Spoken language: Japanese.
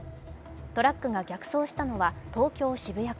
トラックが逆走したのは、東京・渋谷区。